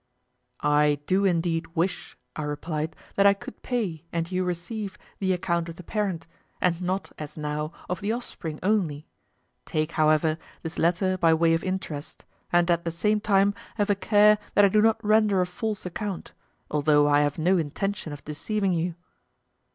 I do indeed wish, I replied, that I could pay, and you receive, the account of the parent, and not, as now, of the offspring only; take, however, this latter by way of interest, and at the same time have a care that I do not render a false account, although I have no intention of deceiving you.